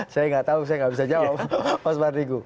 saya nggak tahu saya nggak bisa jawab mas mardigu